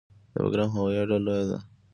د بګرام هوایي اډه لویه ده